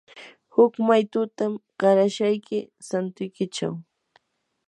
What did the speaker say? huk maytutam qarashayki santuykichaw.